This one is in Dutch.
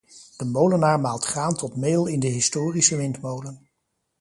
De molenaar maalt graan tot meel in de historische windmolen.